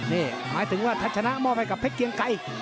นี่หมายถึงว่าทัชนะมอบให้กับเพชรเกียงไกร